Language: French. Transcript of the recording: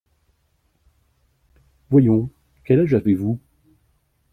Voyons, quel âge avez-vous ?…